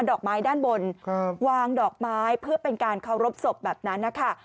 ดอกไม้ด้านบนวางดอกไม้เพื่อเป็นการเคารพศพแบบนั้นนะคะ